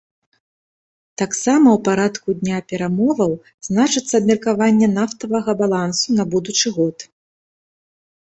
Таксама ў парадку дня перамоваў значыцца абмеркаванне нафтавага балансу на будучы год.